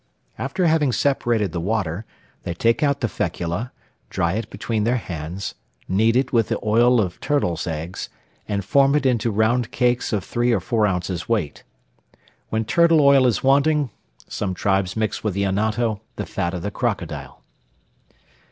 After having separated the water, they take out the fecula, dry it between their hands, knead it with oil of turtles' eggs, and form it into round cakes of three or four ounces weight. When turtle oil is wanting, some tribes mix with the anato the fat of the crocodile.